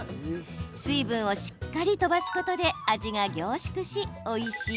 水分をしっかり飛ばすことで味が凝縮しおいしい